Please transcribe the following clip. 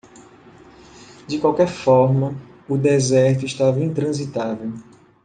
De qualquer forma, o deserto estava intransitável.